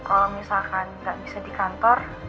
kalau misalkan nggak bisa di kantor